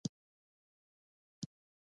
ټیپو سلطان د میسور زړور پاچا و.